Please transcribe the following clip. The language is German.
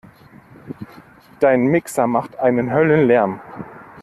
Dein Mixer macht einen Höllenlärm!